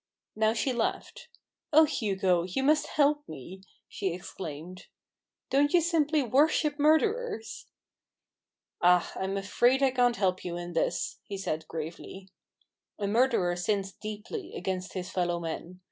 Now she laughed. " Oh, Hugo, you must help me! ,: she exclaimed. ''Don't you simply worship murderers ?" "Ah ! I am afraid I can't help you in this," he said gravely. "A murderer sins deeply against his fellow men.